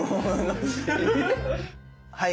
はい。